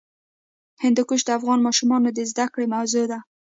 هندوکش د افغان ماشومانو د زده کړې موضوع ده.